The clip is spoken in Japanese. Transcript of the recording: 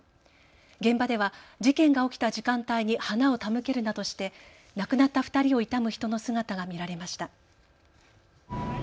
現場では事件が起きた時間帯に花を手向けるなどして亡くなった２人を悼む人の姿が見られました。